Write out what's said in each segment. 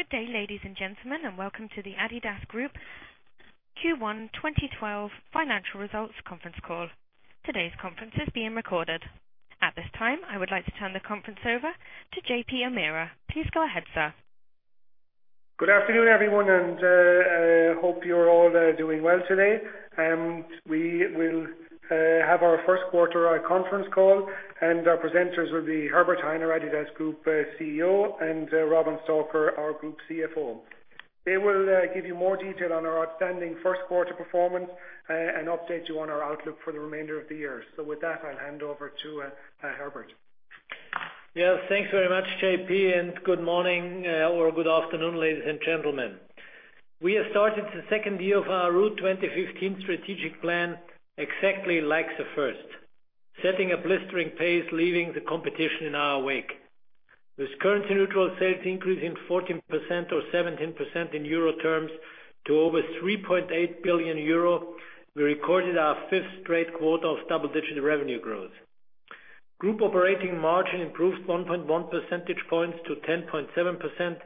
Good day, ladies and gentlemen, welcome to the adidas Group Q1 2012 financial results conference call. Today's conference is being recorded. At this time, I would like to turn the conference over to John-Paul O'Meara. Please go ahead, sir. Good afternoon, everyone, hope you're all doing well today. We will have our first quarter conference call, and our presenters will be Herbert Hainer, adidas Group CEO, and Robin Stalker, our Group CFO. They will give you more detail on our outstanding first quarter performance, and update you on our outlook for the remainder of the year. With that, I'll hand over to Herbert. Thanks very much, JP, good morning or good afternoon, ladies and gentlemen. We have started the second year of our Route 2015 strategic plan exactly like the first. Setting a blistering pace, leaving the competition in our wake. With currency neutral sales increasing 14% or 17% in euro terms to over 3.8 billion euro, we recorded our fifth straight quarter of double-digit revenue growth. Group operating margin improved 1.1 percentage points to 10.7%,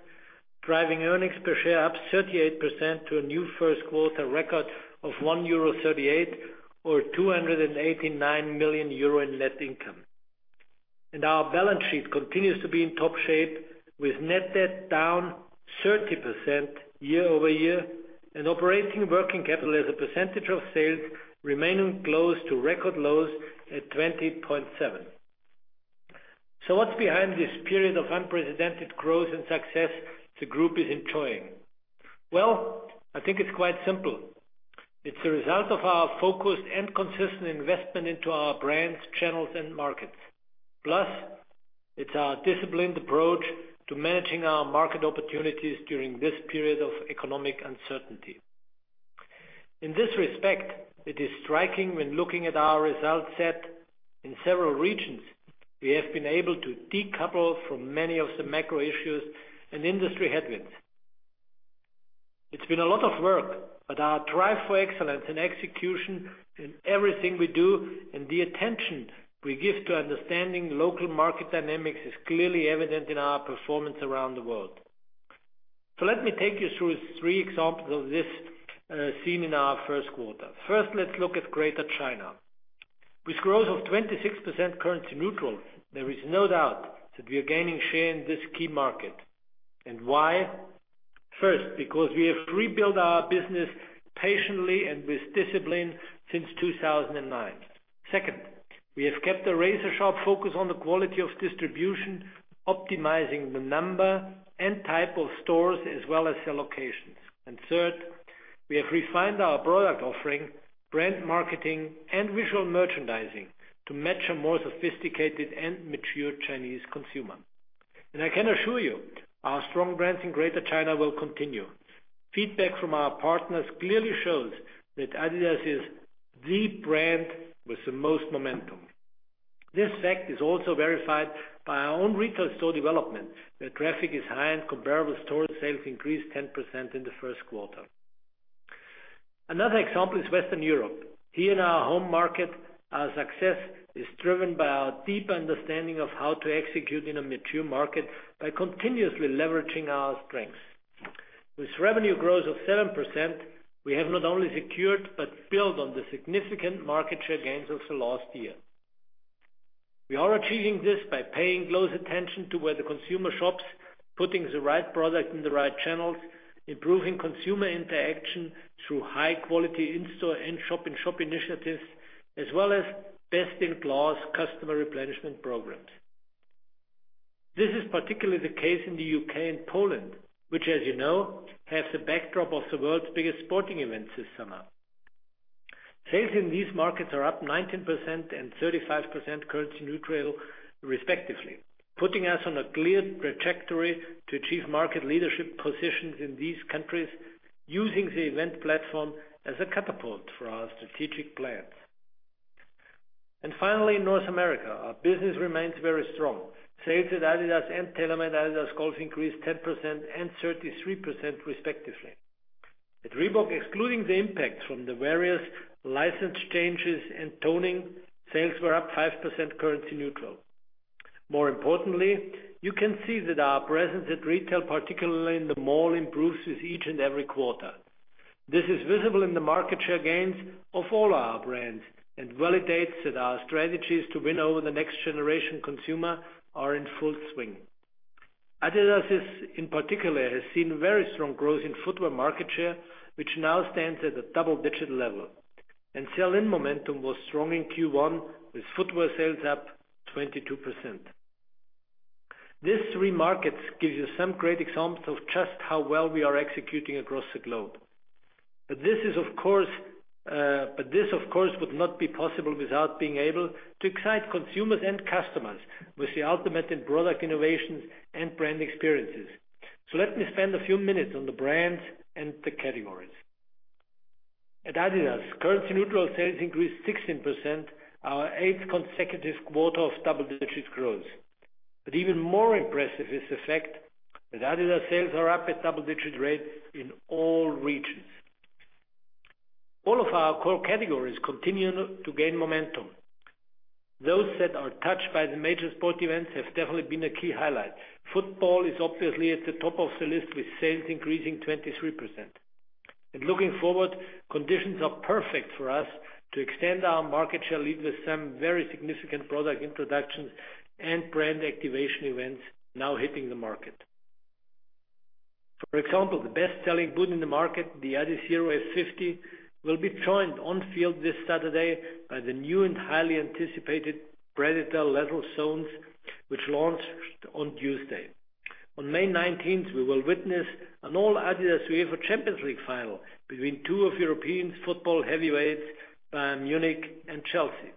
driving earnings per share up 38% to a new first quarter record of 1.38 euro or 289 million euro in net income. Our balance sheet continues to be in top shape with net debt down 30% year-over-year and operating working capital as a percentage of sales remaining close to record lows at 20.7%. What's behind this period of unprecedented growth and success the group is enjoying? Well, I think it's quite simple. It's the result of our focused and consistent investment into our brands, channels, and markets. Plus, it's our disciplined approach to managing our market opportunities during this period of economic uncertainty. In this respect, it is striking when looking at our result set. In several regions, we have been able to decouple from many of the macro issues and industry headwinds. It's been a lot of work, our drive for excellence and execution in everything we do and the attention we give to understanding local market dynamics is clearly evident in our performance around the world. Let me take you through three examples of this seen in our first quarter. First, let's look at Greater China. With growth of 26% currency neutral, there is no doubt that we are gaining share in this key market. Why? First, because we have rebuilt our business patiently and with discipline since 2009. Second, we have kept a razor-sharp focus on the quality of distribution, optimizing the number and type of stores as well as their locations. Third, we have refined our product offering, brand marketing, and visual merchandising to match a more sophisticated and mature Chinese consumer. I can assure you, our strong brands in Greater China will continue. Feedback from our partners clearly shows that adidas is the brand with the most momentum. This fact is also verified by our own retail store development, where traffic is high and comparable store sales increased 10% in the first quarter. Another example is Western Europe. Here in our home market, our success is driven by our deep understanding of how to execute in a mature market by continuously leveraging our strengths. With revenue growth of 7%, we have not only secured but built on the significant market share gains of the last year. We are achieving this by paying close attention to where the consumer shops, putting the right product in the right channels, improving consumer interaction through high-quality in-store and shop-in-shop initiatives, as well as best-in-class customer replenishment programs. This is particularly the case in the U.K. and Poland, which, as you know, has the backdrop of the world's biggest sporting event this summer. Sales in these markets are up 19% and 35% currency neutral respectively, putting us on a clear trajectory to achieve market leadership positions in these countries, using the event platform as a catapult for our strategic plans. Finally, in North America, our business remains very strong. Sales at adidas and TaylorMade-adidas Golf increased 10% and 33% respectively. At Reebok, excluding the impact from the various license changes and toning, sales were up 5% currency neutral. More importantly, you can see that our presence at retail, particularly in the mall, improves with each and every quarter. This is visible in the market share gains of all our brands and validates that our strategies to win over the next generation consumer are in full swing. adidas, in particular, has seen very strong growth in footwear market share, which now stands at a double-digit level, and sell-in momentum was strong in Q1 with footwear sales up 22%. This of course, would not be possible without being able to excite consumers and customers with the ultimate in product innovations and brand experiences. These three markets give you some great examples of just how well we are executing across the globe. Let me spend a few minutes on the brands and the categories. At adidas, currency neutral sales increased 16%, our eighth consecutive quarter of double-digit growth. Even more impressive is the fact that adidas sales are up at double-digit rates in all regions. All of our core categories continue to gain momentum. Those that are touched by the major sport events have definitely been a key highlight. Football is obviously at the top of the list, with sales increasing 23%. Looking forward, conditions are perfect for us to extend our market share lead with some very significant product introductions and brand activation events now hitting the market. For example, the best-selling boot in the market, the adizero F50, will be joined on-field this Saturday by the new and highly anticipated Predator Lethal Zones, which launched on Tuesday. On May 19th, we will witness an all-adidas UEFA Champions League final between two of European football heavyweights, Bayern Munich and Chelsea.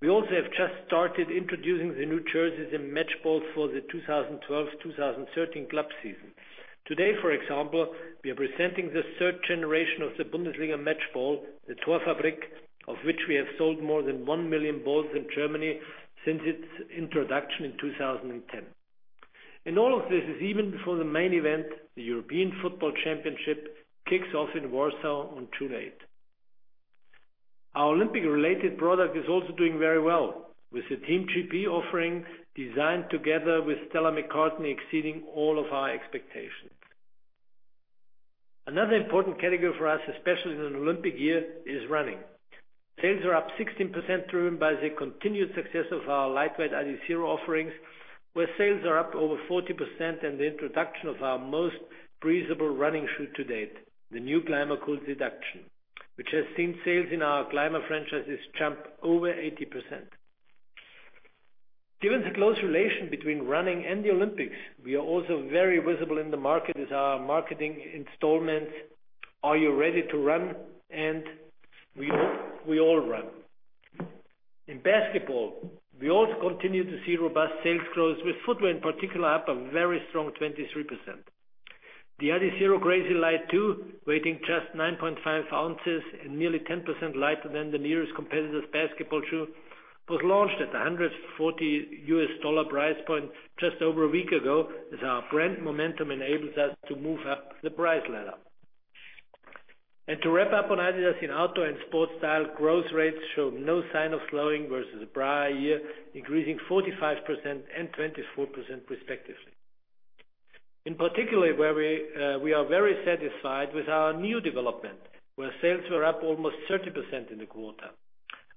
We also have just started introducing the new jerseys and match balls for the 2012-2013 club season. Today, for example, we are presenting the third generation of the Bundesliga match ball, the Torfabrik, of which we have sold more than 1 million balls in Germany since its introduction in 2010. All of this is even before the main event, the European Football Championship, kicks off in Warsaw on June 8th. Our Olympic-related product is also doing very well, with the Team GB offering designed together with Stella McCartney exceeding all of our expectations. Another important category for us, especially in an Olympic year, is running. Sales are up 16%, driven by the continued success of our lightweight Adizero offerings, where sales are up over 40% and the introduction of our most breathable running shoe to date, the new ClimaCool Seduction, which has seen sales in our Clima franchises jump over 80%. Given the close relation between running and the Olympics, we are also very visible in the market with our marketing installments, "Are You Ready to Run?" and "We All Run." In basketball, we also continue to see robust sales growth, with footwear in particular up a very strong 23%. The adiZero Crazy Light 2, weighing just 9.5 ounces and nearly 10% lighter than the nearest competitor's basketball shoe, was launched at the $140 price point just over a week ago, as our brand momentum enables us to move up the price ladder. To wrap up on adidas in outdoor and sports style, growth rates show no sign of slowing versus the prior year, increasing 45% and 24% respectively. In particular, we are very satisfied with our new development, where sales were up almost 30% in the quarter.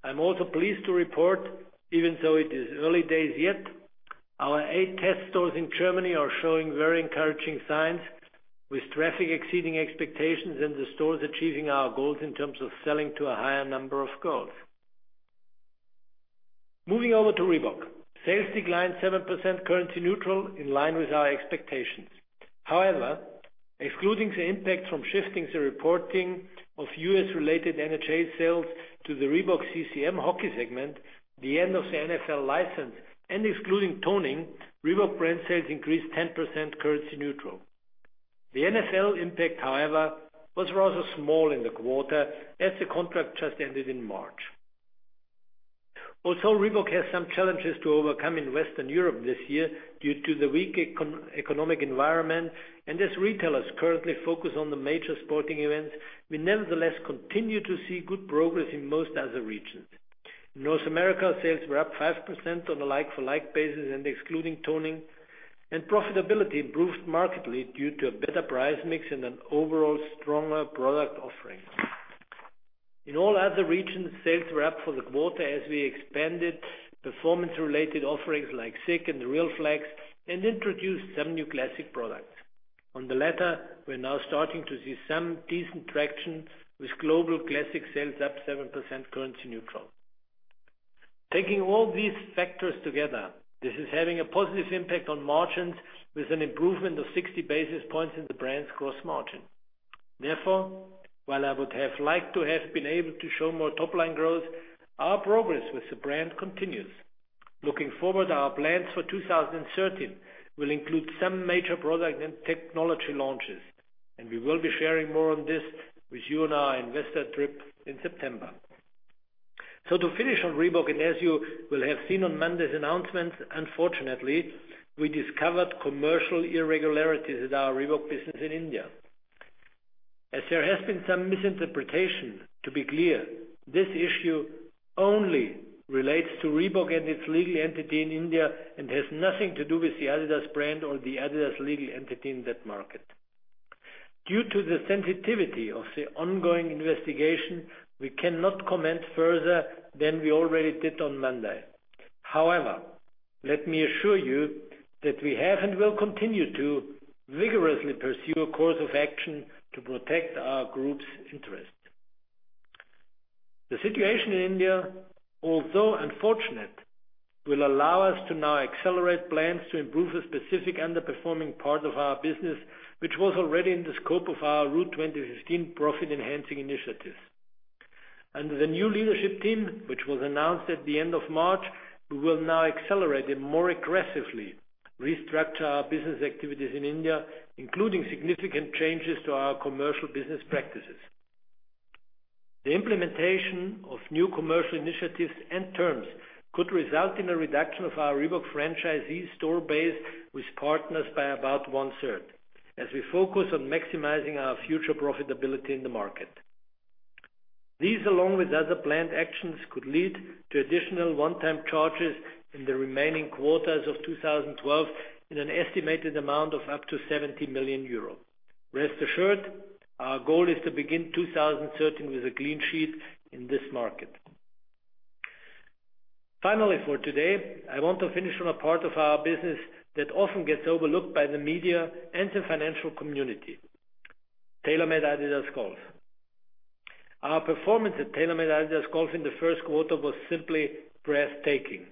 I'm also pleased to report, even though it is early days yet, our eight test stores in Germany are showing very encouraging signs, with traffic exceeding expectations and the stores achieving our goals in terms of selling to a higher number of customers. Moving over to Reebok. Sales declined 7% currency neutral, in line with our expectations. However, excluding the impact from shifting the reporting of U.S.-related NHL sales to the Reebok-CCM Hockey segment, the end of the NFL license, and excluding toning, Reebok brand sales increased 10% currency neutral. The NFL impact, however, was rather small in the quarter as the contract just ended in March. Reebok has some challenges to overcome in Western Europe this year due to the weak economic environment. As retailers currently focus on the major sporting events, we nevertheless continue to see good progress in most other regions. In North America, sales were up 5% on a like-for-like basis and excluding toning, and profitability improved markedly due to a better price mix and an overall stronger product offering. In all other regions, sales were up for the quarter as we expanded performance-related offerings like Zig and RealFlex and introduced some new classic products. On the latter, we're now starting to see some decent traction, with global classic sales up 7% currency neutral. Taking all these factors together, this is having a positive impact on margins with an improvement of 60 basis points in the brand's gross margin. Therefore, while I would have liked to have been able to show more top-line growth, our progress with the brand continues. Looking forward, our plans for 2013 will include some major product and technology launches, and we will be sharing more on this with you on our investor trip in September. To finish on Reebok, and as you will have seen on Monday's announcement, unfortunately, we discovered commercial irregularities at our Reebok business in India. As there has been some misinterpretation, to be clear, this issue only relates to Reebok and its legal entity in India and has nothing to do with the adidas brand or the adidas legal entity in that market. Due to the sensitivity of the ongoing investigation, we cannot comment further than we already did on Monday. However, let me assure you that we have and will continue to vigorously pursue a course of action to protect our group's interest. The situation in India, although unfortunate, will allow us to now accelerate plans to improve a specific underperforming part of our business, which was already in the scope of our Route 2015 profit-enhancing initiatives. Under the new leadership team, which was announced at the end of March, we will now accelerate and more aggressively restructure our business activities in India, including significant changes to our commercial business practices. The implementation of new commercial initiatives and terms could result in a reduction of our Reebok franchisee store base with partners by about one-third, as we focus on maximizing our future profitability in the market. These, along with other planned actions, could lead to additional one-time charges in the remaining quarters of 2012 in an estimated amount of up to 70 million euros. Rest assured, our goal is to begin 2013 with a clean sheet in this market. Finally, for today, I want to finish on a part of our business that often gets overlooked by the media and the financial community, TaylorMade-adidas Golf. Our performance at TaylorMade-adidas Golf in the first quarter was simply breathtaking.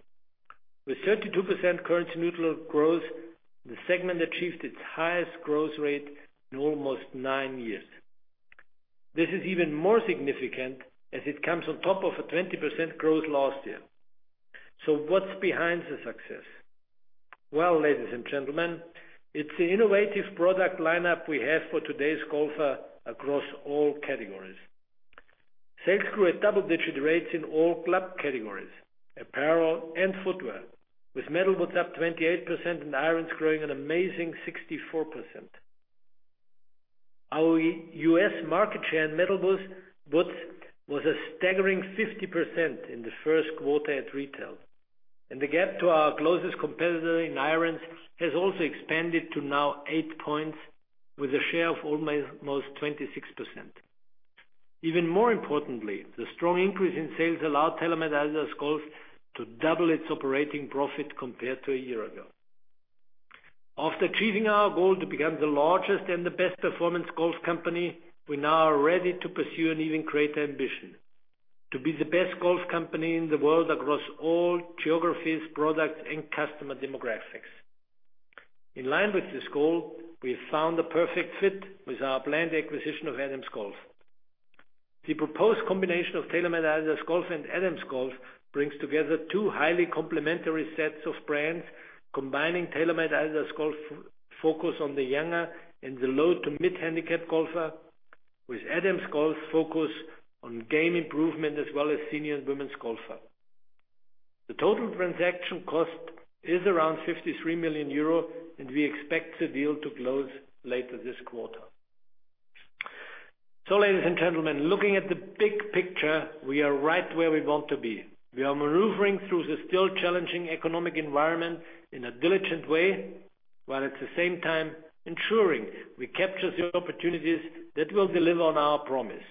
With 32% currency-neutral growth, the segment achieved its highest growth rate in almost nine years. This is even more significant as it comes on top of a 20% growth last year. What's behind the success? Well, ladies and gentlemen, it's the innovative product lineup we have for today's golfer across all categories. Sales grew at double-digit rates in all club categories, apparel and footwear, with metalwoods up 28% and irons growing an amazing 64%. Our U.S. market share in metalwoods was a staggering 50% in the first quarter at retail, and the gap to our closest competitor in irons has also expanded to now eight points, with a share of almost 26%. Even more importantly, the strong increase in sales allowed TaylorMade-adidas Golf to double its operating profit compared to a year ago. After achieving our goal to become the largest and the best performance golf company, we now are ready to pursue an even greater ambition: to be the best golf company in the world across all geographies, products, and customer demographics. In line with this goal, we have found the perfect fit with our planned acquisition of Adams Golf. The proposed combination of TaylorMade-adidas Golf and Adams Golf brings together two highly complementary sets of brands, combining TaylorMade-adidas Golf's focus on the younger and the low to mid-handicap golfer, with Adams Golf's focus on game improvement, as well as senior and women's golfer. The total transaction cost is around 53 million euro, and we expect the deal to close later this quarter. Ladies and gentlemen, looking at the big picture, we are right where we want to be. We are maneuvering through the still challenging economic environment in a diligent way, while at the same time ensuring we capture the opportunities that will deliver on our promise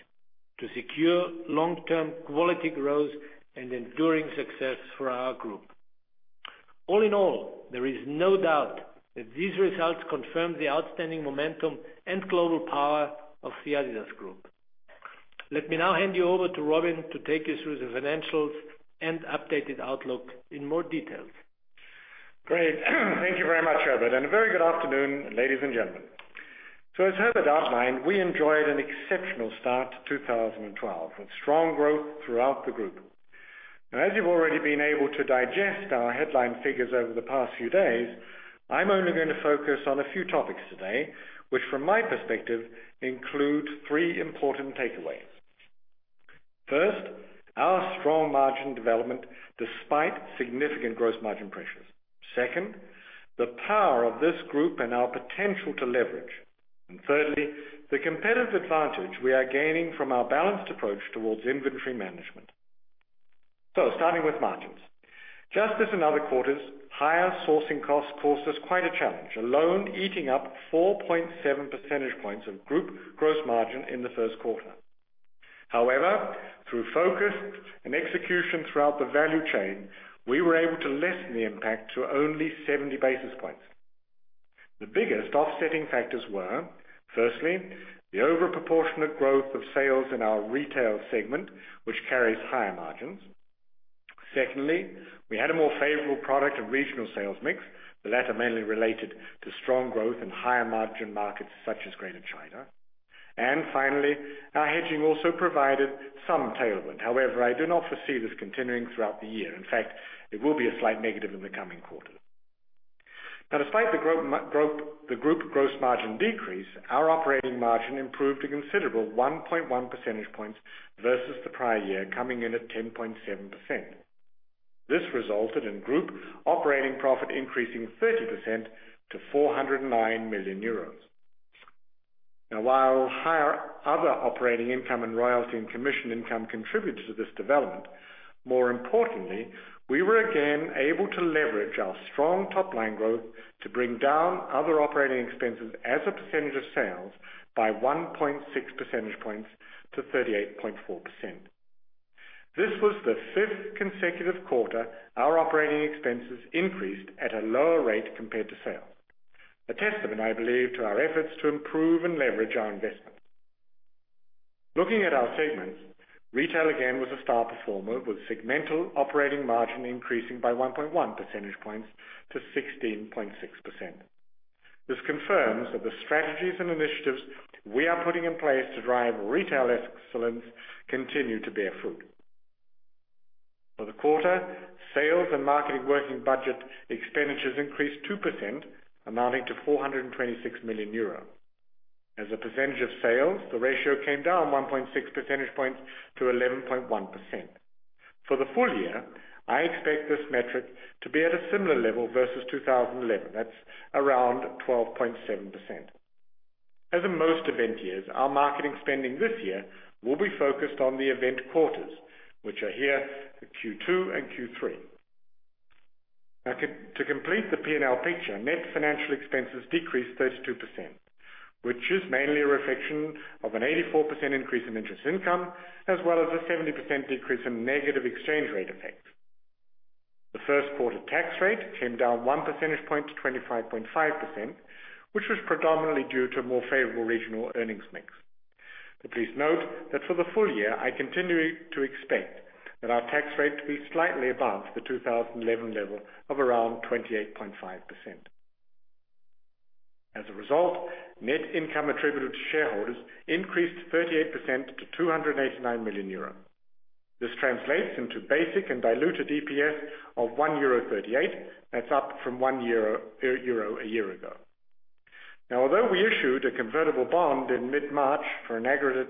to secure long-term quality growth and enduring success for our group. All in all, there is no doubt that these results confirm the outstanding momentum and global power of the adidas Group. Let me now hand you over to Robin to take you through the financials and updated outlook in more detail. Great. Thank you very much, Herbert, and a very good afternoon, ladies and gentlemen. As Herbert outlined, we enjoyed an exceptional start to 2012, with strong growth throughout the group. As you've already been able to digest our headline figures over the past few days, I'm only going to focus on a few topics today, which from my perspective include three important takeaways. First, our strong margin development despite significant gross margin pressures. Second, the power of this group and our potential to leverage. Thirdly, the competitive advantage we are gaining from our balanced approach towards inventory management. Starting with margins. Just as in other quarters, higher sourcing costs caused us quite a challenge, alone eating up 4.7 percentage points of group gross margin in the first quarter. However, through focus and execution throughout the value chain, we were able to lessen the impact to only 70 basis points. The biggest offsetting factors were, firstly, the overproportionate growth of sales in our retail segment, which carries higher margins. Secondly, we had a more favorable product and regional sales mix, the latter mainly related to strong growth in higher-margin markets such as Greater China. Finally, our hedging also provided some tailwind. However, I do not foresee this continuing throughout the year. In fact, it will be a slight negative in the coming quarters. Despite the group gross margin decrease, our operating margin improved a considerable 1.1 percentage points versus the prior year, coming in at 10.7%. This resulted in group operating profit increasing 30% to 409 million euros. While higher other operating income and royalty and commission income contributed to this development, more importantly, we were again able to leverage our strong top-line growth to bring down other operating expenses as a percentage of sales by 1.6 percentage points to 38.4%. This was the fifth consecutive quarter our operating expenses increased at a lower rate compared to sales, a testament, I believe, to our efforts to improve and leverage our investments. Looking at our segments, retail again was a star performer, with segmental operating margin increasing by 1.1 percentage points to 16.6%. This confirms that the strategies and initiatives we are putting in place to drive retail excellence continue to bear fruit. For the quarter, sales and marketing working budget expenditures increased 2%, amounting to 426 million euro. As a percentage of sales, the ratio came down 1.6 percentage points to 11.1%. For the full year, I expect this metric to be at a similar level versus 2011. That's around 12.7%. As in most event years, our marketing spending this year will be focused on the event quarters, which are here, the Q2 and Q3. To complete the P&L picture, net financial expenses decreased 32%, which is mainly a reflection of an 84% increase in interest income, as well as a 70% decrease in negative exchange rate effects. The first quarter tax rate came down one percentage point to 25.5%, which was predominantly due to a more favorable regional earnings mix. Please note that for the full year, I continue to expect that our tax rate to be slightly above the 2011 level of around 28.5%. As a result, net income attributed to shareholders increased 38% to 289 million euro. This translates into basic and diluted EPS of 1.38 euro, that's up from 1 euro a year ago. Although we issued a convertible bond in mid-March for an aggregate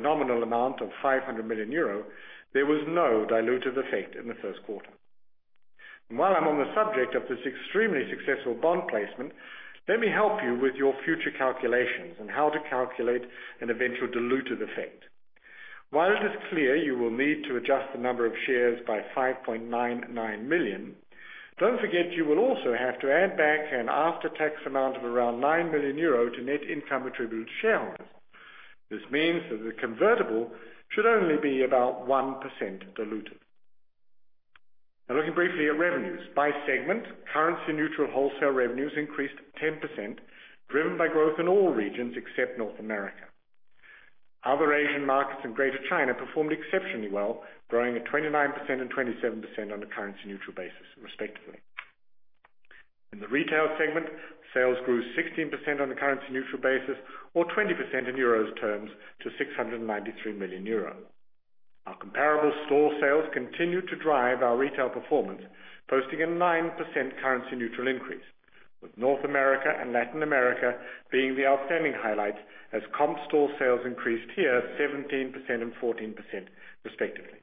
nominal amount of 500 million euro, there was no dilutive effect in the first quarter. While I'm on the subject of this extremely successful bond placement, let me help you with your future calculations on how to calculate an eventual dilutive effect. While it is clear you will need to adjust the number of shares by 5.99 million, don't forget you will also have to add back an after-tax amount of around 9 million euro to net income attribute shareholders. This means that the convertible should only be about 1% dilutive. Looking briefly at revenues. By segment, currency-neutral wholesale revenues increased 10%, driven by growth in all regions except North America. Other Asian markets and Greater China performed exceptionally well, growing at 29% and 27% on a currency neutral basis, respectively. In the retail segment, sales grew 16% on a currency neutral basis or 20% in EUR terms to 693 million euros. Our comparable store sales continued to drive our retail performance, posting a 9% currency neutral increase, with North America and Latin America being the outstanding highlights as comp store sales increased here 17% and 14% respectively.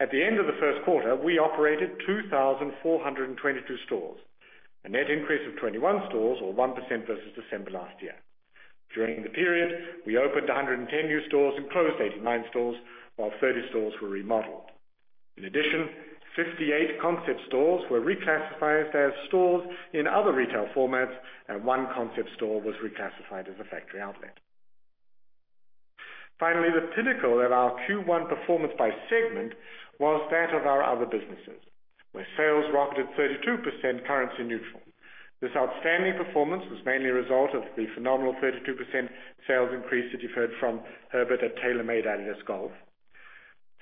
At the end of the first quarter, we operated 2,422 stores, a net increase of 21 stores or 1% versus December last year. During the period, we opened 110 new stores and closed 89 stores, while 30 stores were remodeled. In addition, 58 concept stores were reclassified as stores in other retail formats, and one concept store was reclassified as a factory outlet. Finally, the pinnacle of our Q1 performance by segment was that of our other businesses, where sales rocketed 32% currency neutral. This outstanding performance was mainly a result of the phenomenal 32% sales increase that you've heard from Herbert at TaylorMade-adidas Golf.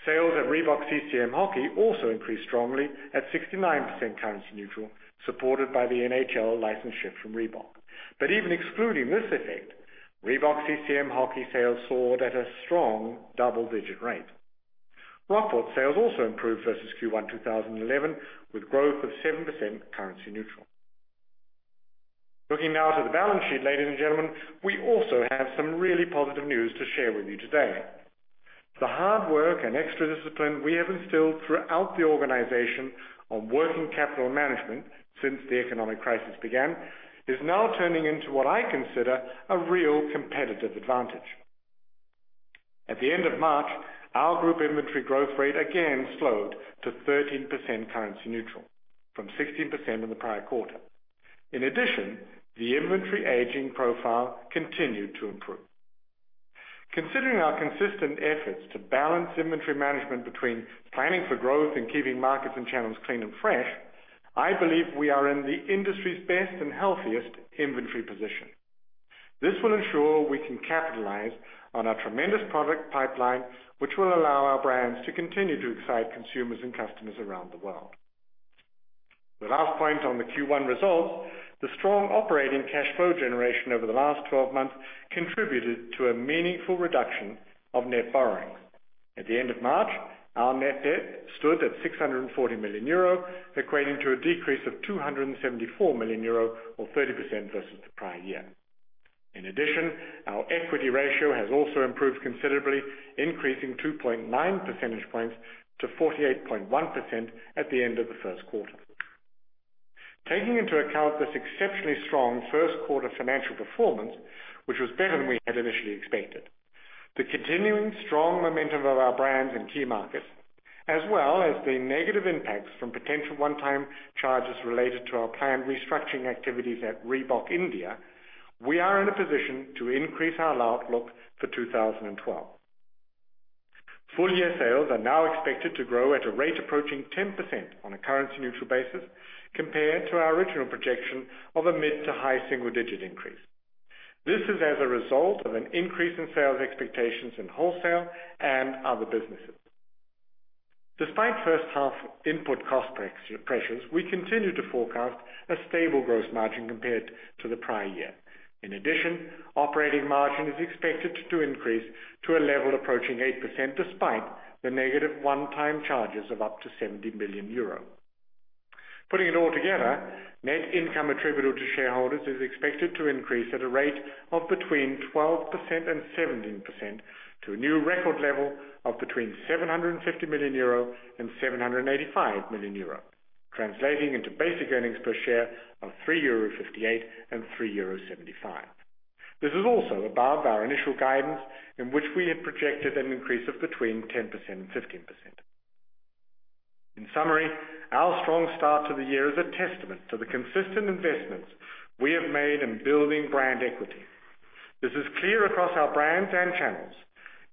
Sales at Reebok-CCM Hockey also increased strongly at 69% currency neutral, supported by the NHL license shift from Reebok. Even excluding this effect, Reebok-CCM Hockey sales soared at a strong double-digit rate. Rockport sales also improved versus Q1 2011, with growth of 7% currency neutral. Looking now to the balance sheet, ladies and gentlemen, we also have some really positive news to share with you today. The hard work and extra discipline we have instilled throughout the organization on working capital management since the economic crisis began is now turning into what I consider a real competitive advantage. At the end of March, our group inventory growth rate again slowed to 13% currency neutral from 16% in the prior quarter. In addition, the inventory aging profile continued to improve. Considering our consistent efforts to balance inventory management between planning for growth and keeping markets and channels clean and fresh, I believe we are in the industry's best and healthiest inventory position. This will ensure we can capitalize on our tremendous product pipeline, which will allow our brands to continue to excite consumers and customers around the world. The last point on the Q1 results, the strong operating cash flow generation over the last 12 months contributed to a meaningful reduction of net borrowings. At the end of March, our net debt stood at 640 million euro, equating to a decrease of 274 million euro or 30% versus the prior year. In addition, our equity ratio has also improved considerably, increasing 2.9 percentage points to 48.1% at the end of the first quarter. Taking into account this exceptionally strong first quarter financial performance, which was better than we had initially expected, the continuing strong momentum of our brands in key markets, as well as the negative impacts from potential one-time charges related to our planned restructuring activities at Reebok India, we are in a position to increase our outlook for 2012. Full-year sales are now expected to grow at a rate approaching 10% on a currency neutral basis compared to our original projection of a mid to high single-digit increase. This is as a result of an increase in sales expectations in wholesale and other businesses. Despite first half input cost pressures, we continue to forecast a stable gross margin compared to the prior year. In addition, operating margin is expected to increase to a level approaching 8%, despite the negative one-time charges of up to 70 million euro. Putting it all together, net income attributable to shareholders is expected to increase at a rate of between 12% and 17% to a new record level of between 750 million euro and 785 million euro, translating into basic earnings per share of 3.58 euro and 3.75 euro. This is also above our initial guidance, in which we had projected an increase of between 10% and 15%. In summary, our strong start to the year is a testament to the consistent investments we have made in building brand equity. This is clear across our brands and channels,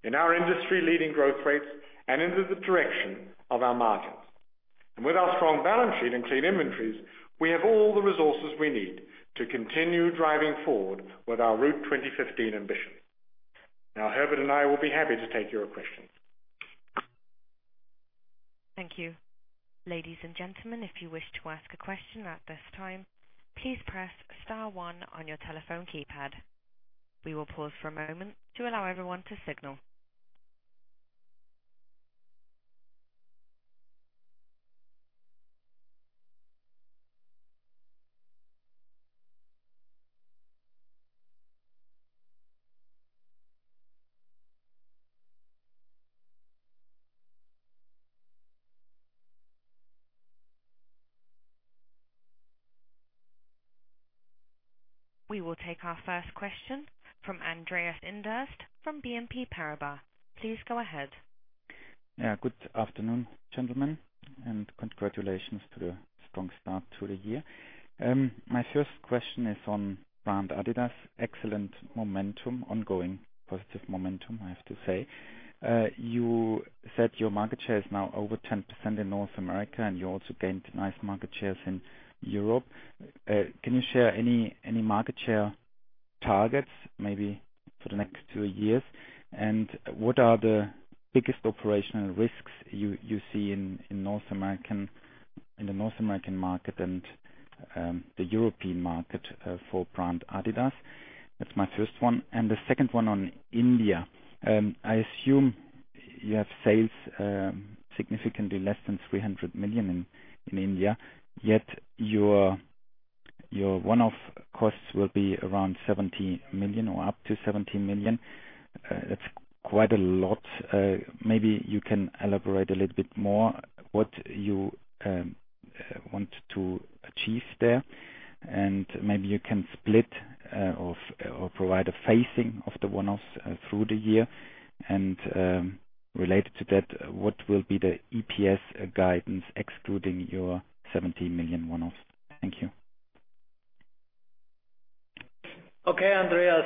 in our industry-leading growth rates, and into the direction of our margins. With our strong balance sheet and clean inventories, we have all the resources we need to continue driving forward with our Route 2015 ambition. Now, Herbert and I will be happy to take your questions. Thank you. Ladies and gentlemen, if you wish to ask a question at this time, please press star one on your telephone keypad. We will pause for a moment to allow everyone to signal. We will take our first question from Andreas Inderst from BNP Paribas. Please go ahead. Good afternoon, gentlemen, congratulations to the strong start to the year. My first question is on brand adidas. Excellent momentum, ongoing positive momentum, I have to say. You said your market share is now over 10% in North America, you also gained nice market shares in Europe. Can you share any market share targets maybe for the next two years? What are the biggest operational risks you see in the North American market and the European market for brand adidas? That's my first one. The second one on India. I assume you have sales significantly less than 300 million in India, yet your one-off costs will be around 70 million or up to 70 million. That's quite a lot. Maybe you can elaborate a little bit more what you want to achieve there. Maybe you can split or provide a phasing of the one-offs through the year. Related to that, what will be the EPS guidance excluding your 70 million one-offs? Thank you. Andreas.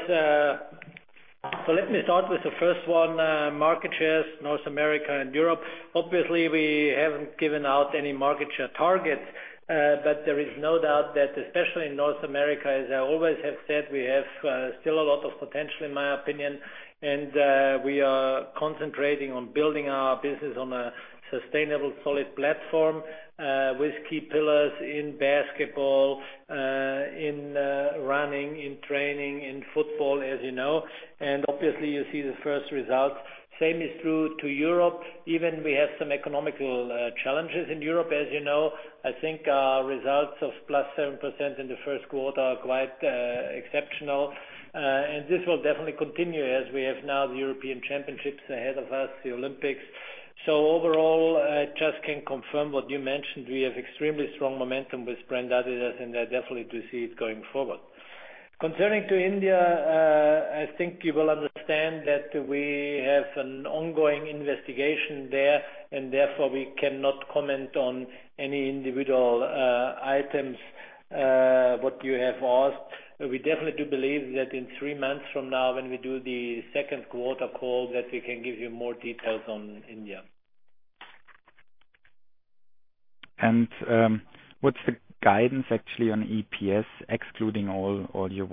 Let me start with the first one, market shares, North America and Europe. Obviously, we haven't given out any market share targets, but there is no doubt that especially in North America, as I always have said, we have still a lot of potential in my opinion, and we are concentrating on building our business on a sustainable, solid platform with key pillars in basketball, in running, in training, in football, as you know. Obviously, you see the first results. Same is true to Europe. Even we have some economical challenges in Europe, as you know. I think our results of plus 7% in the first quarter are quite exceptional. This will definitely continue as we have now the UEFA European Football Championship ahead of us, the Olympics. Overall, I just can confirm what you mentioned. We have extremely strong momentum with brand adidas. I definitely do see it going forward. Concerning to India, I think you will understand that we have an ongoing investigation there, and therefore we cannot comment on any individual items, what you have asked. We definitely do believe that in three months from now, when we do the second quarter call, that we can give you more details on India. What's the guidance actually on EPS, excluding all your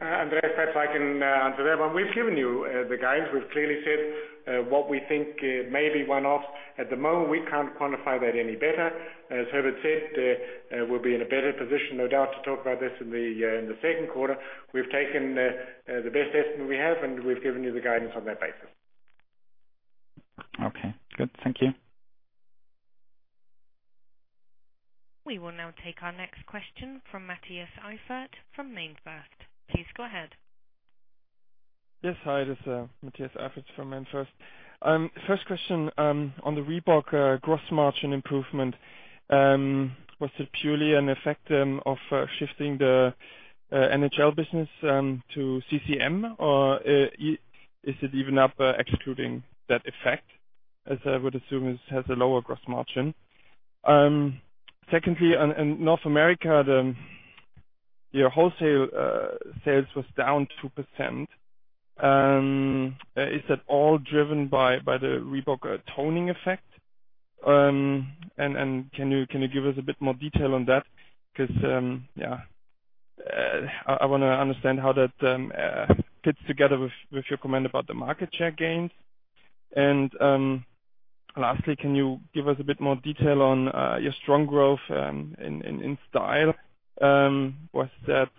one-offs? Andreas, perhaps I can answer that one. We've given you the guidance. We've clearly said what we think may be one-offs. At the moment, we can't quantify that any better. As Herbert said, we'll be in a better position, no doubt, to talk about this in the second quarter. We've taken the best estimate we have. We've given you the guidance on that basis. Okay, good. Thank you. We will now take our next question from Mathias Eifert from MainFirst. Please go ahead. Yes. Hi, this is Mathias Eifert from MainFirst. First question on the Reebok gross margin improvement. Was it purely an effect of shifting the NHL business to CCM, or is it even up excluding that effect? As I would assume it has a lower gross margin. Secondly, in North America, your wholesale sales was down 2%. Is that all driven by the Reebok toning effect? Can you give us a bit more detail on that? Because I want to understand how that fits together with your comment about the market share gains. Lastly, can you give us a bit more detail on your strong growth in style? Was that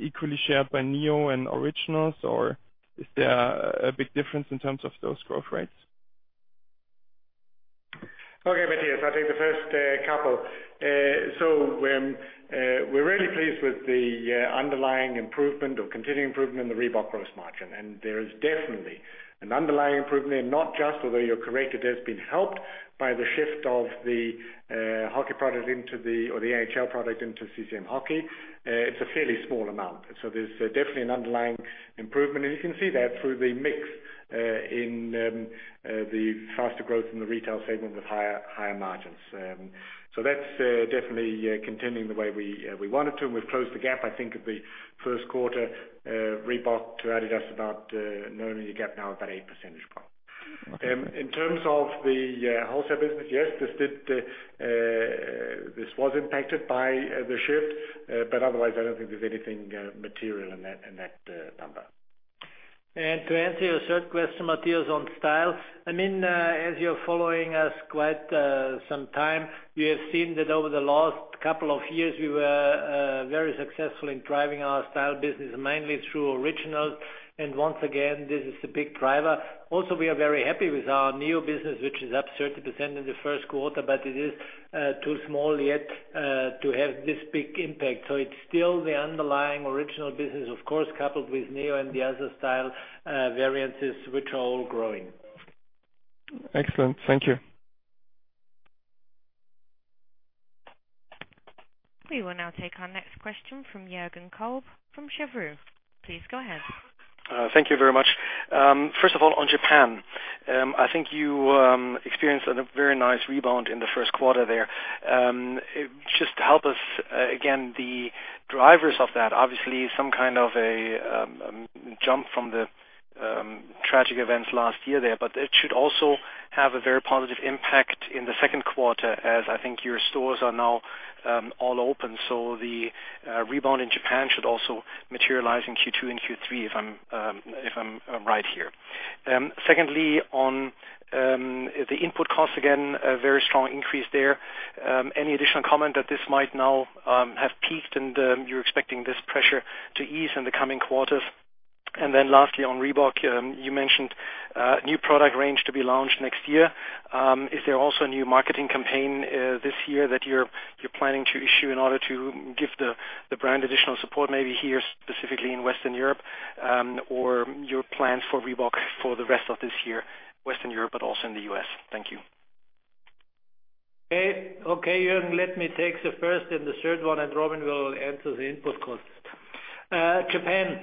equally shared by Neo and Originals, or is there a big difference in terms of those growth rates? Okay, Mathias, I'll take the first couple. We're really pleased with the underlying improvement or continuing improvement in the Reebok gross margin. There is definitely an underlying improvement, not just, although you're correct, it has been helped by the shift of the NHL product into CCM Hockey. It's a fairly small amount. There's definitely an underlying improvement. You can see that through the mix in the faster growth in the retail segment with higher margins. That's definitely continuing the way we wanted to. We've closed the gap, I think of the first quarter, Reebok to adidas about normally the gap now of that eight percentage point. In terms of the wholesale business, yes, this was impacted by the shift, but otherwise I don't think there's anything material in that number. To answer your third question, Mathias, on style, as you're following us quite some time, we have seen that over the last couple of years, we were very successful in driving our style business mainly through adidas Originals. Once again, this is the big driver. We are very happy with our NEO business, which is up 30% in the first quarter, but it is too small yet to have this big impact. It's still the underlying Originals business, of course, coupled with NEO and the other style variances, which are all growing. Excellent. Thank you. We will now take our next question from Jürgen Kolb from Cheuvreux. Please go ahead. Thank you very much. First of all, on Japan, I think you experienced a very nice rebound in the first quarter there. Just help us, again, the drivers of that, obviously some kind of a jump from the tragic events last year there, but it should also have a very positive impact in the second quarter as I think your stores are now all open. The rebound in Japan should also materialize in Q2 and Q3 if I'm right here. Secondly, on the input costs, again, a very strong increase there. Any additional comment that this might now have peaked and you're expecting this pressure to ease in the coming quarters? Lastly, on Reebok, you mentioned a new product range to be launched next year. Is there also a new marketing campaign this year that you are planning to issue in order to give the brand additional support, maybe here specifically in Western Europe or your plans for Reebok for the rest of this year, Western Europe, but also in the U.S.? Thank you. Okay, Jürgen, let me take the first and the third one. Robin will answer the input costs. Japan,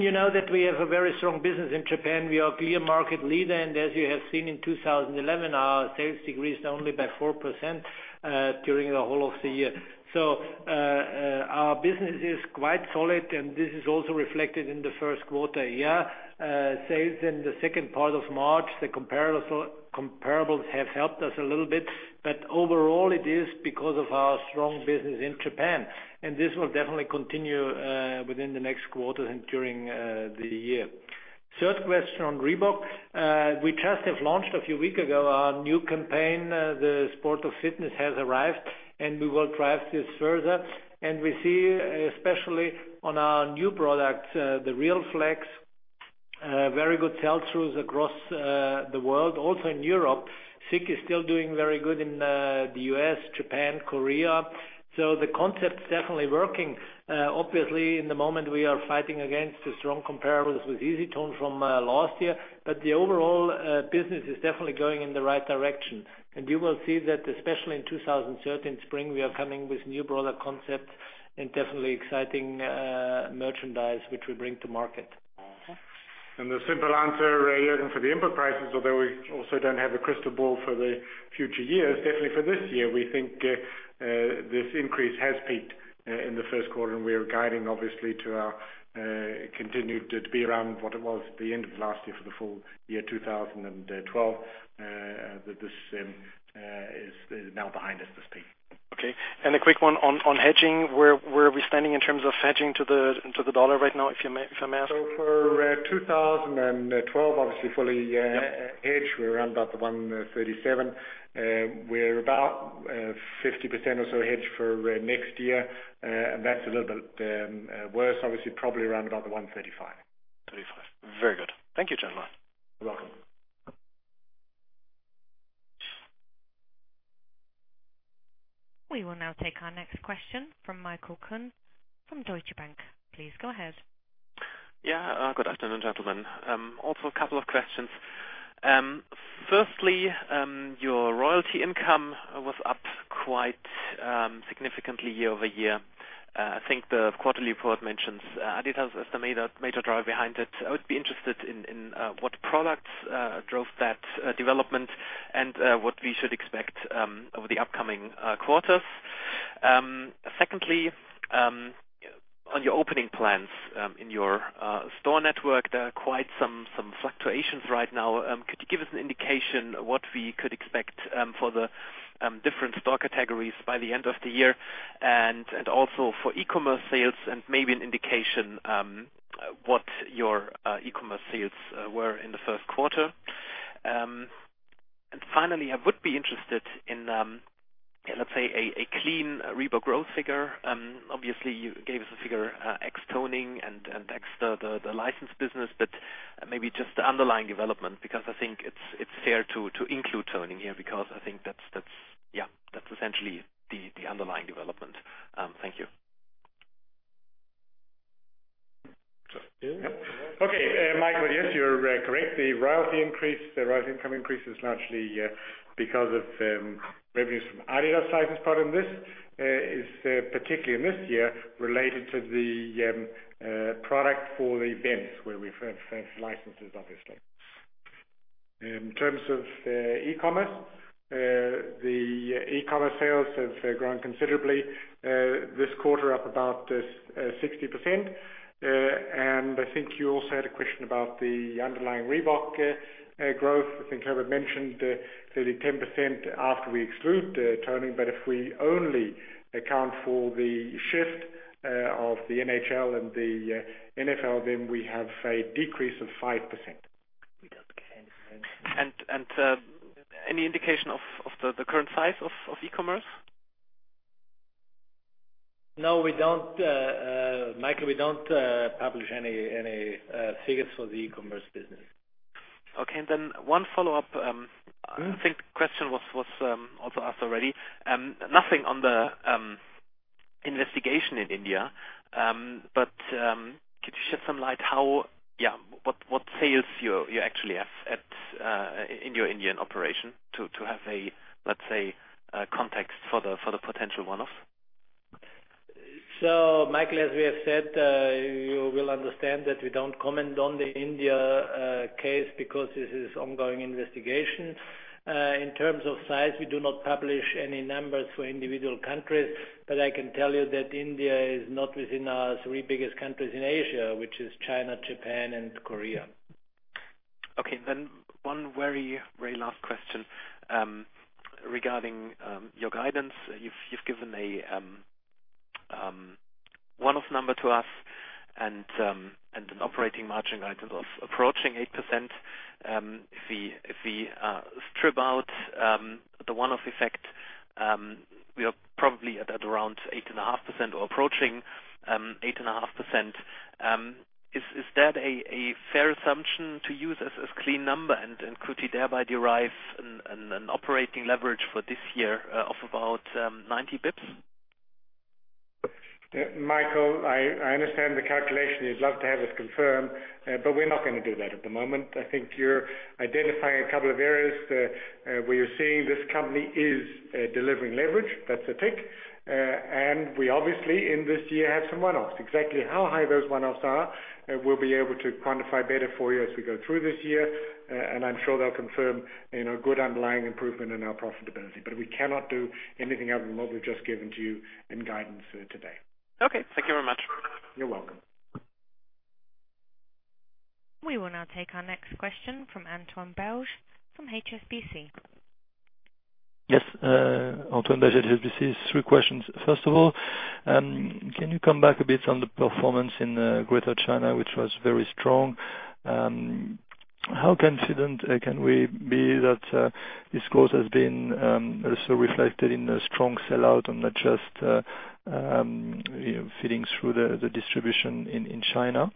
you know that we have a very strong business in Japan. We are clear market leader. As you have seen in 2011, our sales decreased only by 4% during the whole of the year. Our business is quite solid, and this is also reflected in the first quarter year. Sales in the second part of March, the comparables have helped us a little bit. Overall, it is because of our strong business in Japan, and this will definitely continue within the next quarter and during the year. Third question on Reebok, we just have launched a few week ago our new campaign, the sport of fitness has arrived. We will drive this further. We see, especially on our new product, the RealFlex, very good sell-throughs across the world, also in Europe. Zig is still doing very good in the U.S., Japan, Korea. The concept's definitely working. Obviously, in the moment, we are fighting against the strong comparables with EasyTone from last year, but the overall business is definitely going in the right direction. You will see that, especially in 2013 spring, we are coming with new product concepts and definitely exciting merchandise which we bring to market. The simple answer, Jürgen, for the input prices, although we also don't have a crystal ball for the future years, definitely for this year, we think this increase has peaked in the first quarter. We are guiding obviously to our continued to be around what it was at the end of last year for the full year 2012, that this is now behind us, this peak. Okay. A quick one on hedging. Where are we standing in terms of hedging to the dollar right now, if I may ask? For 2012, obviously fully hedged, we're around about the 137. We're about 50% or so hedged for next year, that's a little bit worse, obviously, probably around about the 135. 35. Very good. Thank you, gentlemen. You're welcome. We will now take our next question from Michael Kunz from Deutsche Bank. Please go ahead. Yeah, good afternoon, gentlemen. Also a couple of questions. Firstly, your royalty income was up quite significantly year-over-year. I think the quarterly report mentions adidas as the major driver behind it. I would be interested in what products drove that development and what we should expect over the upcoming quarters. Secondly, on your opening plans in your store network, there are quite some fluctuations right now. Could you give us an indication what we could expect for the different store categories by the end of the year? Also for e-commerce sales and maybe an indication what your e-commerce sales were in the first quarter. Finally, I would be interested in Let's say, a clean Reebok growth figure. Obviously, you gave us a figure ex toning and ex the license business, maybe just the underlying development, because I think it's fair to include toning here because I think that's essentially the underlying development. Thank you. Okay. Michael, yes, you're correct. The royalty increase, the royalty income increase is largely because of revenues from adidas license. Part of this is particularly in this year related to the product for the events where we have licenses, obviously. In terms of e-commerce, the e-commerce sales have grown considerably this quarter up about 60%. I think you also had a question about the underlying Reebok growth. I think Herbert mentioned 30% after we exclude toning, if we only account for the shift of the NHL and the NFL, then we have a decrease of 5%. Any indication of the current size of e-commerce? No, Michael, we don't publish any figures for the e-commerce business. Okay. One follow-up. I think the question was also asked already. Nothing on the investigation in India, but could you shed some light what sales you actually have in your Indian operation to have a, let's say, context for the potential one-off? Michael, as we have said, you will understand that we don't comment on the India case because this is ongoing investigation. In terms of size, we do not publish any numbers for individual countries, but I can tell you that India is not within our three biggest countries in Asia, which is China, Japan, and Korea. Okay. One very last question. Regarding your guidance, you've given a one-off number to us and an operating margin guidance of approaching 8%. If we strip out the one-off effect, we are probably at around 8.5% or approaching 8.5%. Is that a fair assumption to use as clean number and could you thereby derive an operating leverage for this year of about 90 basis points? Michael, I understand the calculation. You'd love to have us confirm, but we're not going to do that at the moment. I think you're identifying a couple of areas where you're seeing this company is delivering leverage. That's a tick. We obviously in this year had some one-offs. Exactly how high those one-offs are, we'll be able to quantify better for you as we go through this year, and I'm sure they'll confirm good underlying improvement in our profitability. We cannot do anything other than what we've just given to you in guidance today. Okay. Thank you very much. You're welcome. We will now take our next question from Antoine Belge from HSBC. Yes. Antoine Belge, HSBC. Three questions. First of all, can you come back a bit on the performance in Greater China, which was very strong? How confident can we be that this growth has been also reflected in a strong sell-out and not just feeding through the distribution in China?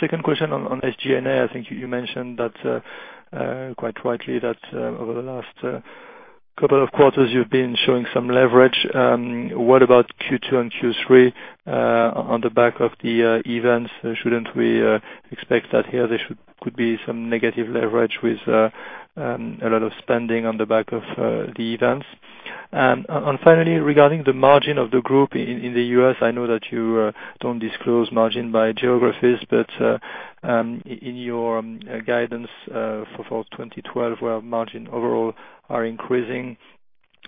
Second question on SG&A, I think you mentioned that, quite rightly, that over the last couple of quarters, you've been showing some leverage. What about Q2 and Q3 on the back of the events? Shouldn't we expect that here there could be some negative leverage with a lot of spending on the back of the events? Finally, regarding the margin of the group in the U.S., I know that you don't disclose margin by geographies, but in your guidance for 2012, where margin overall are increasing,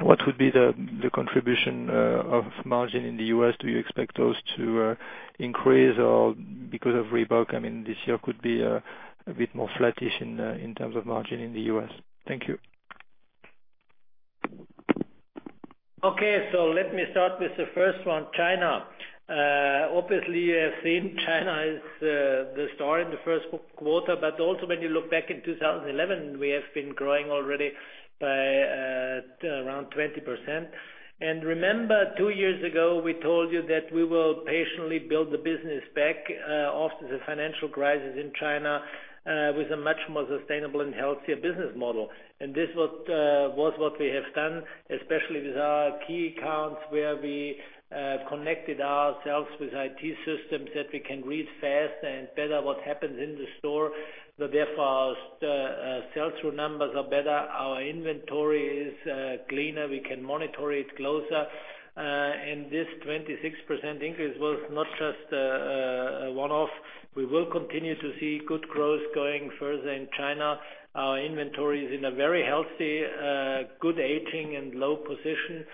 what would be the contribution of margin in the U.S.? Do you expect those to increase or because of Reebok, this year could be a bit more flattish in terms of margin in the U.S.? Thank you. Let me start with the first one, China. Obviously, you have seen China is the star in the first quarter, but also when you look back in 2011, we have been growing already by around 20%. Remember, two years ago, we told you that we will patiently build the business back after the financial crisis in China with a much more sustainable and healthier business model. This was what we have done, especially with our key accounts, where we connected ourselves with IT systems that we can read fast and better what happens in the store. Therefore, our sell-through numbers are better. Our inventory is cleaner. We can monitor it closer. This 26% increase was not just a one-off. We will continue to see good growth going further in China. Our inventory is in a very healthy, good aging, and low position.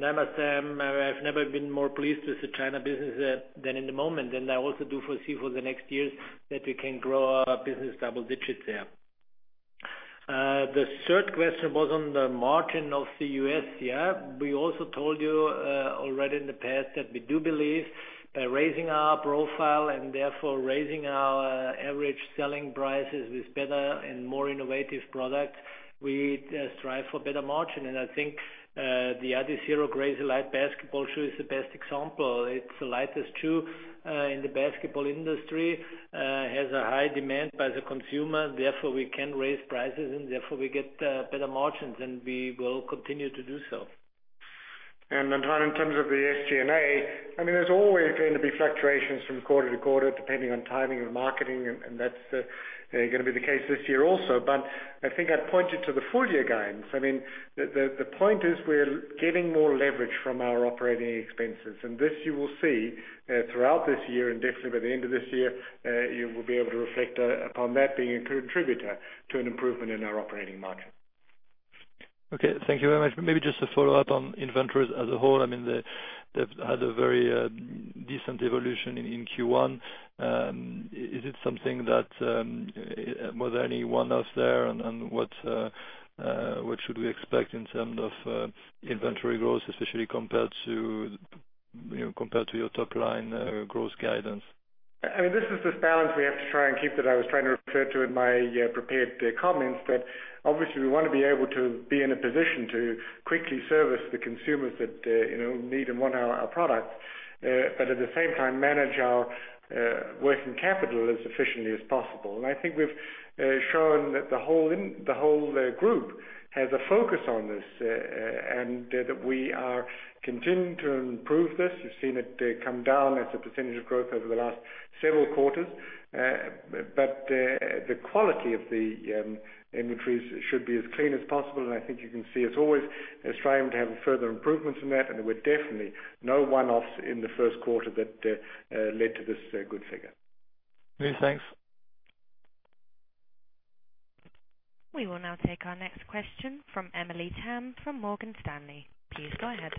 I must say, I've never been more pleased with the China business than in the moment. I also do foresee for the next years that we can grow our business double digits there. The third question was on the margin of the U.S. We also told you already in the past that we do believe raising our profile and therefore raising our average selling prices with better and more innovative products, we strive for better margin. I think the adidas adiZero Crazy Light basketball shoe is the best example. It's the lightest shoe in the basketball industry, has a high demand by the consumer, therefore we can raise prices and therefore we get better margins and we will continue to do so. Antoine, in terms of the SG&A, there's always going to be fluctuations from quarter to quarter depending on timing and marketing, and that's going to be the case this year also. I think I'd point you to the full year guidance. The point is we're getting more leverage from our operating expenses, this you will see throughout this year and definitely by the end of this year, you will be able to reflect upon that being a contributor to an improvement in our operating margin. Okay. Thank you very much. Maybe just a follow-up on inventories as a whole. They've had a very decent evolution in Q1. Is it something that was any one-offs there, what should we expect in terms of inventory growth, especially compared to your top line growth guidance? This is this balance we have to try and keep that I was trying to refer to in my prepared comments, that obviously we want to be able to be in a position to quickly service the consumers that need and want our products. At the same time, manage our working capital as efficiently as possible. I think we've shown that the whole group has a focus on this, that we are continuing to improve this. You've seen it come down as a percentage of growth over the last several quarters. The quality of the inventories should be as clean as possible, I think you can see us always striving to have further improvements in that, there were definitely no one-offs in the first quarter that led to this good figure. Okay, thanks. We will now take our next question from Louise Singlehurst from Morgan Stanley. Please go ahead.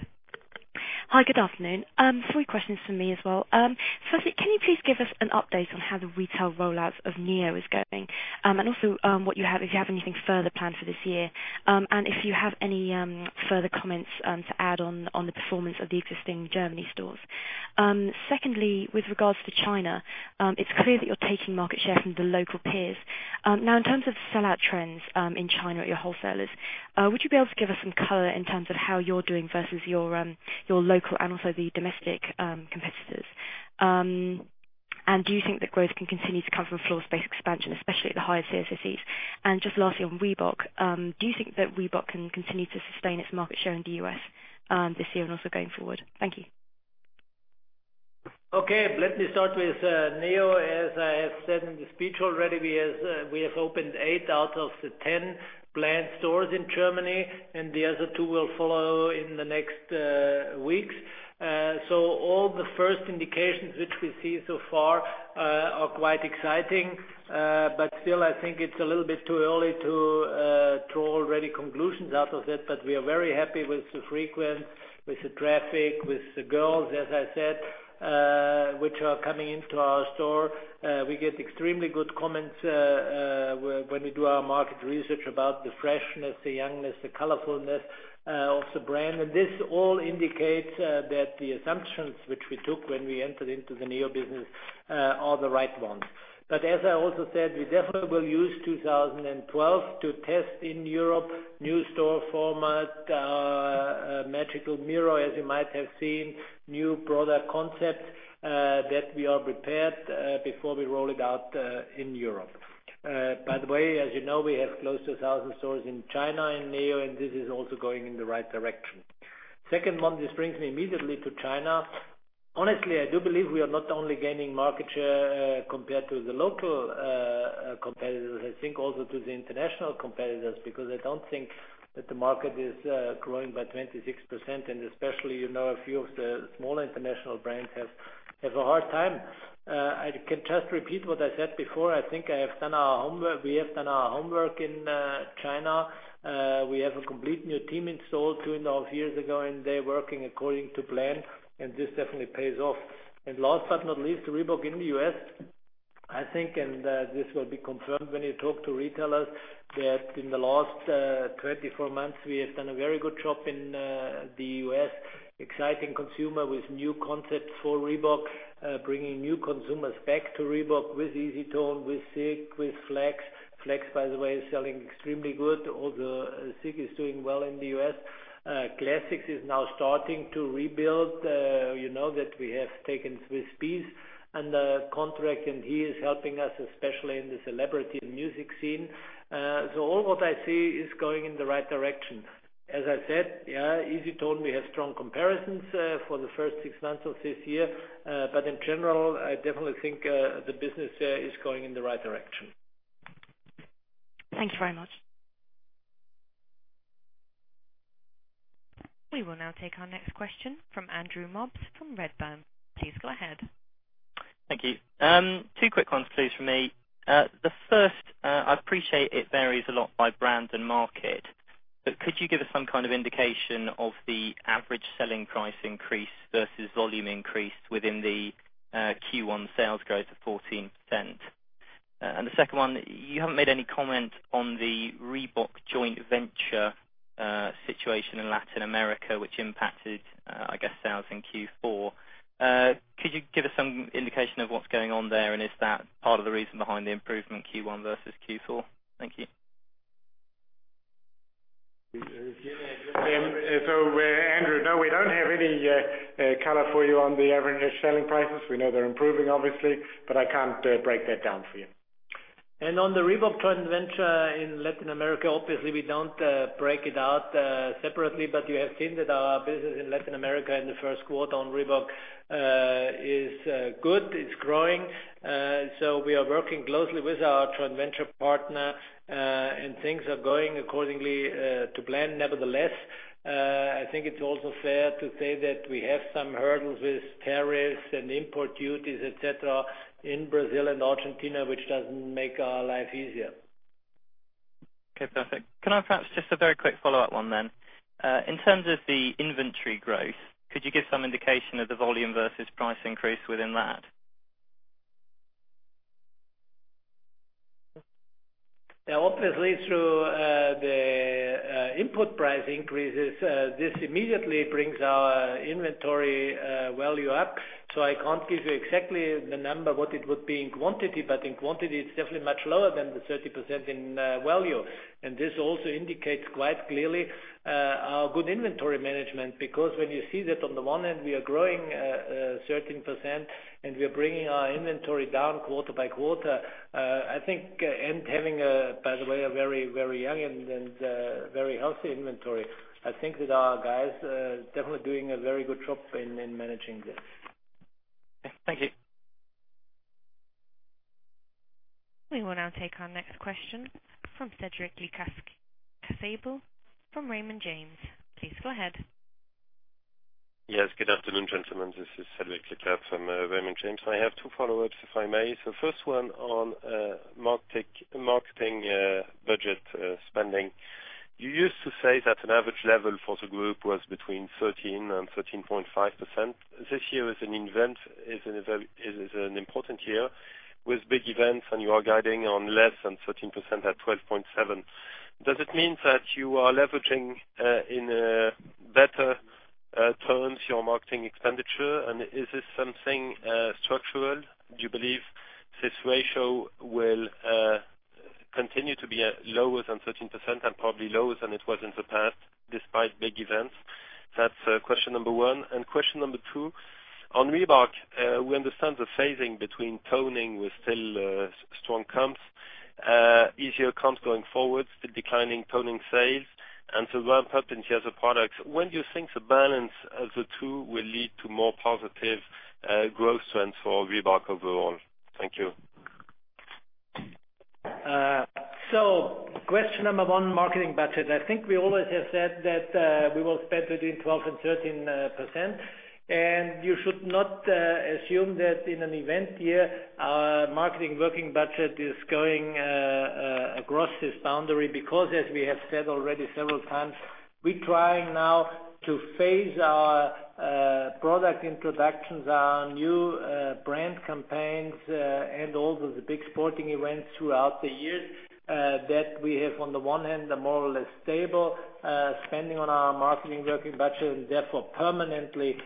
Hi, good afternoon. Three questions from me as well. Firstly, can you please give us an update on how the retail rollout of Neo is going? Also if you have anything further planned for this year. If you have any further comments to add on the performance of the existing Germany stores. Secondly, with regards to China, it's clear that you're taking market share from the local peers. In terms of sellout trends in China at your wholesalers, would you be able to give us some color in terms of how you're doing versus your local and also the domestic competitors? Do you think that growth can continue to come from floor space expansion, especially at the higher CSOCs? Just lastly, on Reebok, do you think that Reebok can continue to sustain its market share in the U.S. this year and also going forward? Thank you. Let me start with Neo. As I have said in the speech already, we have opened 8 out of the 10 planned stores in Germany, and the other 2 will follow in the next weeks. All the first indications which we see so far are quite exciting. Still I think it's a little bit too early to draw ready conclusions out of it, but we are very happy with the frequent, with the traffic, with the girls, as I said, which are coming into our store. We get extremely good comments when we do our market research about the freshness, the youngness, the colorfulness of the brand. This all indicates that the assumptions which we took when we entered into the Neo business are the right ones. As I also said, we definitely will use 2012 to test in Europe new store format, Magical Mirror, as you might have seen, new product concept that we are prepared before we roll it out in Europe. By the way, as you know, we have close to 1,000 stores in China in Neo, and this is also going in the right direction. Second one, this brings me immediately to China. Honestly, I do believe we are not only gaining market share compared to the local competitors, I think also to the international competitors, because I don't think that the market is growing by 26%, and especially a few of the smaller international brands have a hard time. I can just repeat what I said before. I think we have done our homework in China. We have a complete new team installed two and a half years ago, and they're working according to plan. This definitely pays off. Last but not least, Reebok in the U.S. I think, and this will be confirmed when you talk to retailers, that in the last 24 months, we have done a very good job in the U.S., exciting consumer with new concepts for Reebok, bringing new consumers back to Reebok with EasyTone, with Zig, with Flex. Flex, by the way, is selling extremely good. Also, Zig is doing well in the U.S. Classics is now starting to rebuild. You know that we have taken Swizz Beatz under contract, and he is helping us, especially in the celebrity and music scene. All what I see is going in the right direction. As I said, EasyTone, we have strong comparisons for the first six months of this year. In general, I definitely think the business there is going in the right direction. Thanks very much. We will now take our next question from Andrew Mobbs from Redburn. Please go ahead. Thank you. Two quick ones, please, from me. The first, I appreciate it varies a lot by brand and market. Could you give us some kind of indication of the average selling price increase versus volume increase within the Q1 sales growth of 14%? The second one, you haven't made any comment on the Reebok joint venture situation in Latin America, which impacted, I guess, sales in Q4. Could you give us some indication of what's going on there, and is that part of the reason behind the improvement in Q1 versus Q4? Thank you. Andrew, no, we don't have any color for you on the average selling prices. We know they're improving, obviously, but I can't break that down for you. On the Reebok joint venture in Latin America, obviously, we don't break it out separately, but you have seen that our business in Latin America in the Q1 on Reebok is good, it's growing. We are working closely with our joint venture partner, and things are going according to plan. I think it's also fair to say that we have some hurdles with tariffs and import duties, et cetera, in Brazil and Argentina, which doesn't make our life easier. Okay, perfect. Can I perhaps just a very quick follow-up one? Obviously through the input price increases, this immediately brings our inventory value up. I can't give you exactly the number, what it would be in quantity, but in quantity, it's definitely much lower than the 30% in value. This also indicates quite clearly our good inventory management, because when you see that on the one hand, we are growing 13% and we are bringing our inventory down quarter by quarter, and having, by the way, a very, very young and very healthy inventory. I think that our guys are definitely doing a very good job in managing this. Okay. Thank you. We will now take our next question from Cédric Lecasble from Raymond James. Please go ahead. Yes, good afternoon, gentlemen. This is Cédric Lecasble from Raymond James. I have two follow-ups, if I may. First one on marketing budget spending. You used to say that an average level for the group was between 13% and 13.5%. This year is an important year with big events, you are guiding on less than 13% at 12.7%. Does it mean that you are leveraging in better terms your marketing expenditure? Is this something structural? Do you believe this ratio will continue to be lower than 13% and probably lower than it was in the past, despite big events? That's question number one. Question number two, on Reebok, we understand the phasing between toning with still strong comps, easier comps going forward, the declining toning sales, and the ramp-up in the other products. When do you think the balance of the two will lead to more positive growth trends for Reebok overall? Thank you. Question number one, marketing budget. I think we always have said that we will spend between 12% and 13%, you should not assume that in an event year, our marketing working budget is going across this boundary because, as we have said already several times, we're trying now to phase our product introductions, our new brand campaigns, and all of the big sporting events throughout the year. That we have, on the one hand, a more or less stable spending on our marketing working budget and therefore permanently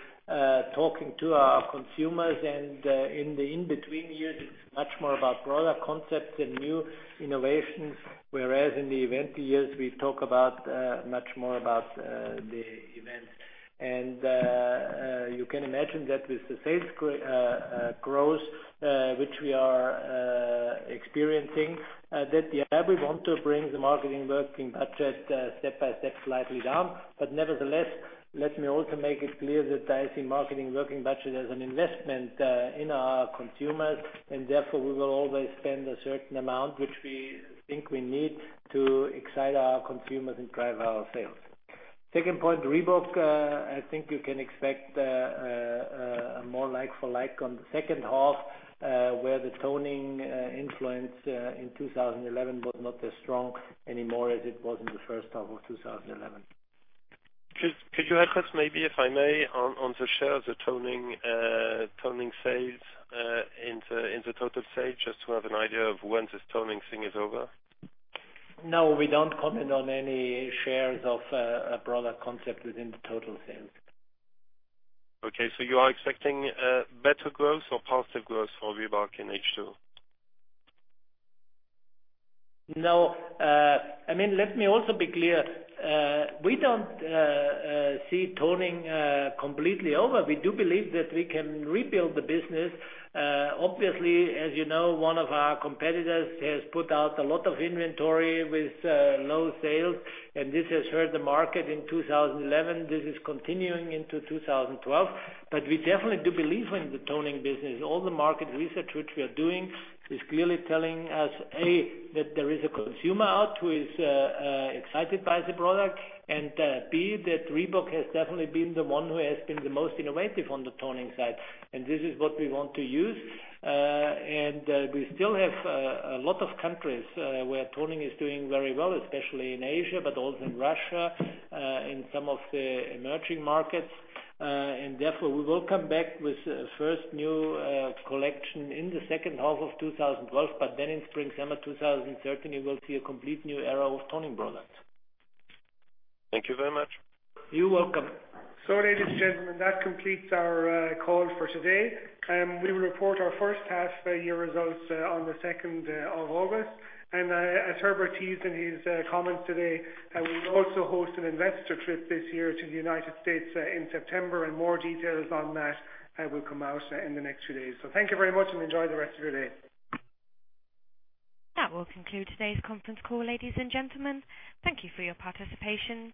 talking to our consumers and in the in-between years, it's much more about product concepts and new innovations, whereas in the event years, we talk much more about the events. You can imagine that with the sales growth which we are experiencing, that we want to bring the marketing working budget step by step slightly down. Nevertheless, let me also make it clear that I see marketing working budget as an investment in our consumers, and therefore, we will always spend a certain amount which we think we need to excite our consumers and drive our sales. Second point, Reebok, I think you can expect a more like for like on the second half, where the toning influence in 2011 was not as strong anymore as it was in the first half of 2011. Could you help us, maybe, if I may, on the share of the toning sales in the total sales, just to have an idea of when this toning thing is over? No, we don't comment on any shares of a product concept within the total sales. Okay, you are expecting better growth or positive growth for Reebok in H2? No. Let me also be clear. We don't see toning completely over. We do believe that we can rebuild the business. Obviously, as you know, one of our competitors has put out a lot of inventory with low sales, and this has hurt the market in 2011. This is continuing into 2012. We definitely do believe in the toning business. All the market research which we are doing is clearly telling us, A, that there is a consumer out who is excited by the product, and B, that Reebok has definitely been the one who has been the most innovative on the toning side. This is what we want to use. We still have a lot of countries where toning is doing very well, especially in Asia, but also in Russia, in some of the emerging markets. Therefore, we will come back with the first new collection in the second half of 2012. In spring, summer 2013, you will see a complete new era of toning products. Thank you very much. You're welcome. Ladies and gentlemen, that completes our call for today. We will report our first half year results on the 2nd of August. As Herbert teased in his comments today, we will also host an investor trip this year to the U.S. in September, and more details on that will come out in the next few days. Thank you very much, and enjoy the rest of your day. That will conclude today's conference call, ladies and gentlemen. Thank you for your participation.